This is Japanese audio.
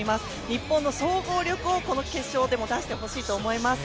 日本の総合力を、この決勝でも出してほしいと思います。